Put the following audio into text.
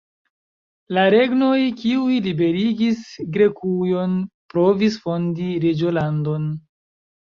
La regnoj, kiuj liberigis Grekujon, provis fondi reĝolandon.